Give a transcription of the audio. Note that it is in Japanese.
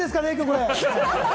これ。